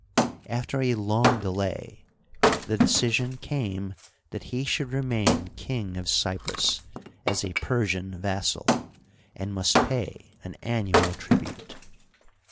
After a long delay the decision came that he should remain King of Cyprus as a Persian vassal, and must pay an annual tribute.